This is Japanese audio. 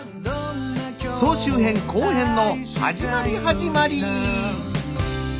総集編後編の始まり始まり。